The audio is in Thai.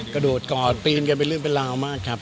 กระโดดกอดปีนกันเป็นเรื่องเป็นราวมากครับ